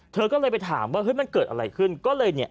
เธอก็เลยไปถามว่าเฮ้ยมันเกิดอะไรขึ้นก็เลยเนี่ย